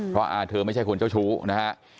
เพราะอาเธอไม่ใช่คนเจ้าชู้นะฮะ